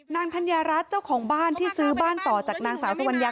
ธัญญารัฐเจ้าของบ้านที่ซื้อบ้านต่อจากนางสาวสวัญญา